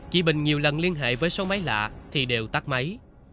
chị bình nhiều lần liên hệ với số máy lạ thì đều tắt máy